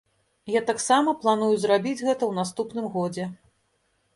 Я таксама планую зрабіць гэта ў наступным годзе.